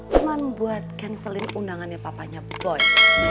cuma buat cancelin undangannya papanya boy